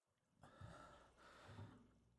聚乙烯按其密度和分支分类。